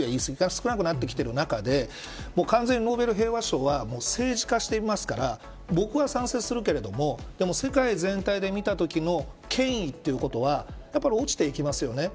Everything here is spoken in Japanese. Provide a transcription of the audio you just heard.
少なくなってきている中で完全にノーベル平和賞は政治化していますから僕は賛成するけれどもでも、世界全体で見たときの権威ということはやっぱり落ちていきますよね。